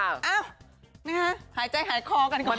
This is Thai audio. เอ้านะคะหายใจหายคอกันก่อน